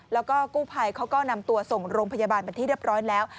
แล้วก็กู้ภัยเขาก็นำตัวส่งโรงพยาบาลเป็นที่เรียบร้อยแล้ว